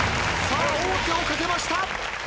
さあ王手をかけました。